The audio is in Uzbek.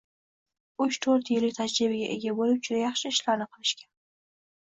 uch-to'rt yillik tajribaga ega boʻlib, juda yaxshi ishlarni qilishgan.